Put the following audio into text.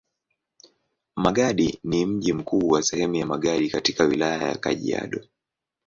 Magadi ni mji mkuu wa sehemu ya Magadi katika Wilaya ya Kajiado.